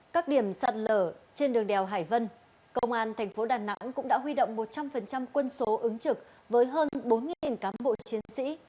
các điểm sạt lở trên đường đèo hải vân công an thành phố đà nẵng cũng đã huy động một trăm linh quân số ứng trực với hơn bốn cán bộ chiến sĩ